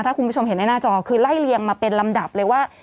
ถ้าคุณผู้ชมเห็นในหน้าจอคือไล่เลียงมาเป็นลำดับเลยว่า